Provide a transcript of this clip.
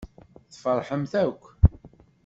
Tfeṛḥemt akk.